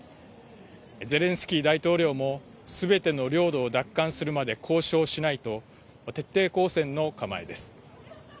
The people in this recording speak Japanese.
ゼレンスキー大統領もすべての領土を奪還するまで交渉しないと徹底抗戦の構えです。